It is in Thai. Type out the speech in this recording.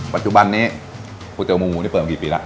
ปัจจุบันนี้ฟูเตียวหมูนี่เปิดมากี่ปีละ